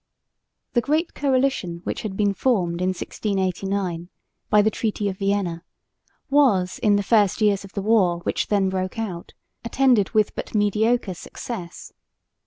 The great coalition which had been formed in 1689 by the treaty of Vienna was, in the first years of the war which then broke out, attended with but mediocre success.